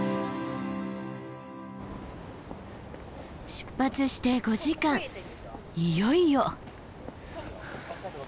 出発して５時間いよいよ！